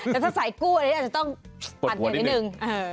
แต่ถ้าสายกู้อันนี้อาจจะต้องปัดใหญ่นิดนึง